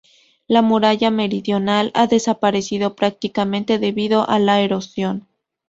La muralla meridional ha desaparecido prácticamente debido a la erosión.